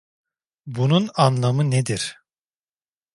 Bunun anlamı nedir?